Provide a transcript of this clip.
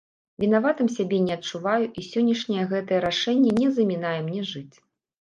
Вінаватым сябе не адчуваю і сённяшняе гэтае рашэнне не замінае мне жыць.